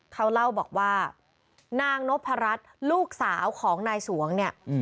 เขาเล่าบอกว่านางนพรัชลูกสาวของนายสวงเนี่ย